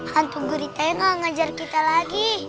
hantu guritanya gak ngejar kita lagi